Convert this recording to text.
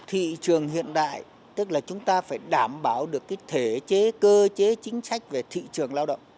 thị trường hiện đại tức là chúng ta phải đảm bảo được cái thể chế cơ chế chính sách về thị trường lao động